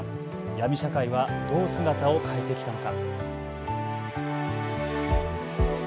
闇社会はどう姿を変えてきたのか。